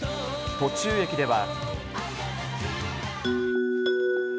途中駅では。